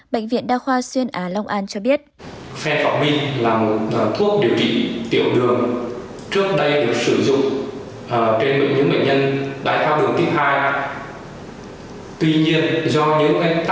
bệnh viện đa khoa xuyên á long an cho biết